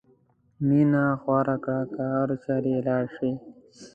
مینه خوره کړه که هر چېرې لاړ شې.